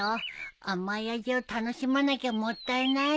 甘い味を楽しまなきゃもったいないよ。しまった！